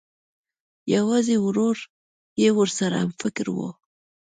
یوازې ورور یې ورسره همفکره و